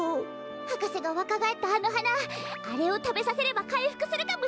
はかせがわかがえったあのはなあれをたべさせればかいふくするかもしれませんが。